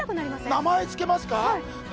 名前つけますか？